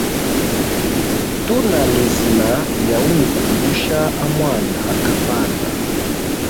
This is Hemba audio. Tunalezina lya umikumbusha a mwanda kapanda.